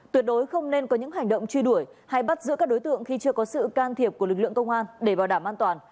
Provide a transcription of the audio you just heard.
tuyệt đối không nên có những hành động truy đuổi hay bắt giữ các đối tượng khi chưa có sự can thiệp của lực lượng công an để bảo đảm an toàn